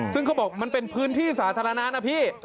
ซึ่งเขาบอกมันเป็นพื้นที่สาธารณะนะพี่